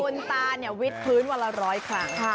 คุณตาเนี่ยวิทย์พื้นวันละ๑๐๐ครั้ง